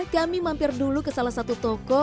kami mampir dulu ke salah satu toko